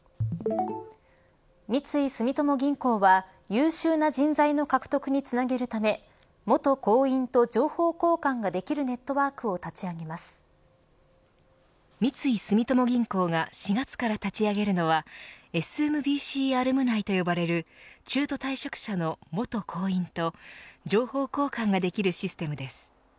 三井住友銀行は優秀な人材の獲得につなげるため元行員と情報交換ができるネットワークを三井住友銀行が４月から立ち上げるのはＳＭＢＣアルムナイと呼ばれる中途退職者の元行員と情報交換ができるシステムです。